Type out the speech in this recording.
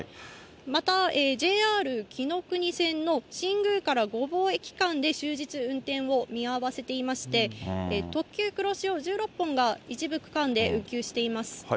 またＪＲきのくに線の新宮から御坊駅間で終日、運転を見合わせていまして、特急くろしお１６本が一部区間で運休しています。